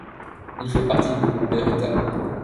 Il fait partie du groupe Berreta.